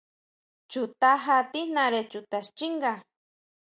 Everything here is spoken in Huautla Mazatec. Chu tajá tíjnare chuta xchínga.